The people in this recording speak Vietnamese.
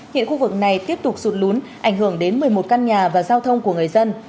hiện khu vực này tiếp tục sụt lún ảnh hưởng đến một mươi một căn nhà và giao thông của người dân